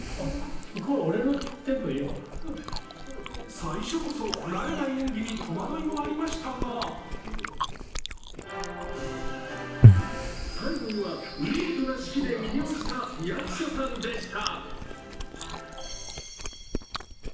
最初こそ慣れない演技に戸惑いもありましたが最後には見事な指揮で魅了した役所さんでした。